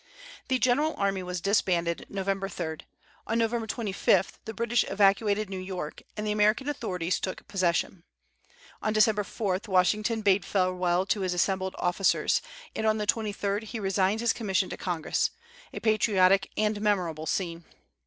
The general army was disbanded November 3; on November 25 the British evacuated New York and the American authorities took possession; on December 4 Washington bade farewell to his assembled officers, and on the 23d he resigned his commission to Congress, a patriotic and memorable scene.